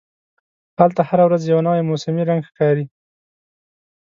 هلته هره ورځ یو نوی موسمي رنګ ښکاري.